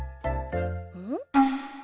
うん？